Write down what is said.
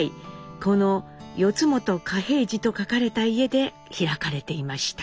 この「四元嘉平次」と書かれた家で開かれていました。